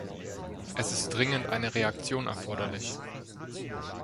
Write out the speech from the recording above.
Es ist dringend eine Reaktion erforderlich.